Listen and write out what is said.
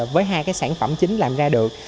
với hai sản phẩm chính làm ra được